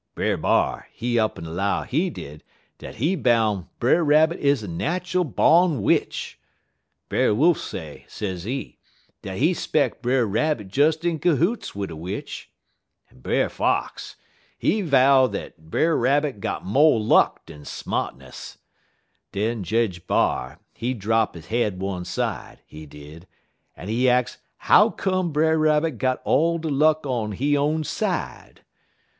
Brer B'ar, he up'n 'low, he did, dat he boun' Brer Rabbit is a nat'al bawn witch; Brer Wolf say, sezee, dat he 'speck Brer Rabbit des in cahoots wid a witch; en Brer Fox, he vow dat Brer Rabbit got mo' luck dan smartness. Den Jedge B'ar, he drap he head one side, he did, en he ax how come Brer Rabbit got all de luck on he own side.